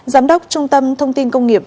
giám đốc trung tâm thông tin công nghiệp